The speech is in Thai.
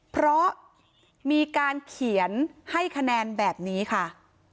เพราะมีการเขียนให้คะแนนแบบนี้ค่ะ